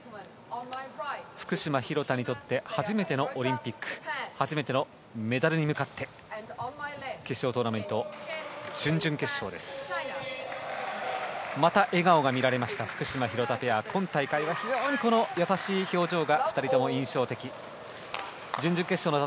福島、廣田にとって初めてのオリンピック初めてのメダルに向かって決勝トーナメント準々決勝です。